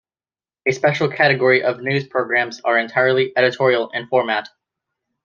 A special category of news programs are entirely editorial in format.